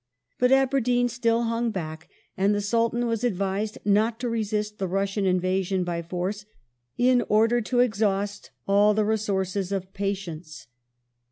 ^ But Aberdeen still hung back, and the Sultan was advised not to resist the Russian invasion by force " in order to exhaust all the resources of patience